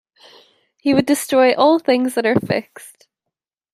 He would destroy all things that are fixed.